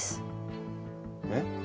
えっ？